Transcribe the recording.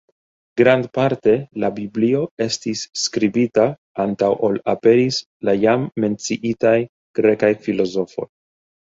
Grandparte la biblio estis skribita antaŭ ol aperis la jam menciitaj grekaj filozofoj.